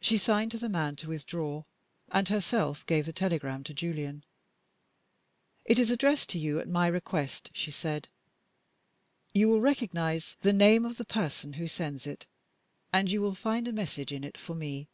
She signed to the man to withdraw, and herself gave the telegram to Julian. "It is addressed to you, at my request," she said. "You will recognize the name of the person who sends it, and you will find a message in it for me."